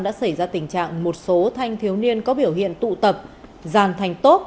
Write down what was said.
đã xảy ra tình trạng một số thanh thiếu niên có biểu hiện tụ tập dàn thanh tốt